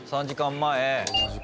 ３時間前に。